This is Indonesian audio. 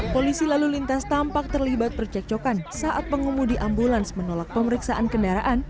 polisi lalu lintas tampak terlibat percekcokan saat pengemudi ambulans menolak pemeriksaan kendaraan